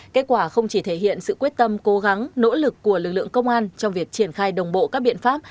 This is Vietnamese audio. kết quả không chỉ thể hiện sự quyết tâm cố gắng nỗ lực của lực lượng công an trong việc triển khai đồng bộ các biện pháp